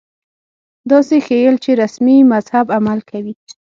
داسې ښييل چې رسمي مذهب عمل کوي